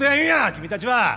君たちは。